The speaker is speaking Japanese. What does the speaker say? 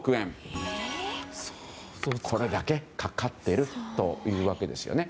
これだけかかっているというわけですよね。